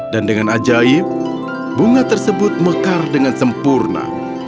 dan dengan ajaib bunga tersebut mekar dengan sempurna